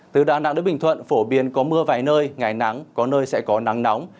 từ đà nẵng đến bình thuận phổ biến có mưa vài nơi ngày nắng có nơi sẽ có nắng nóng